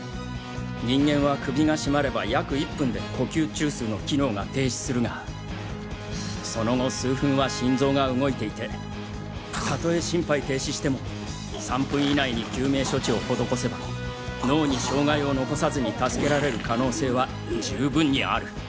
人間は首が絞まれば約１分で呼吸中枢の機能が停止するがその後数分は心臓が動いていてたとえ心肺停止しても３分以内に救命処置を施せば脳に障害を残さずに助けられる可能性は十分にある。